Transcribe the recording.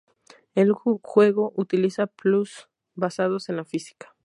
El juego utiliza puzzles basados en la física.